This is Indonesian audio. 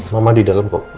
mama di dalam kok